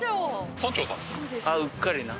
「うっかりな」。